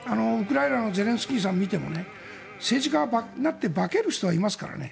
ゼレンスキーさんを見ても政治家になって化ける人はいますからね。